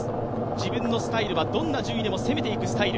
自分のスタイルはどんな順位でも攻めていくスタイル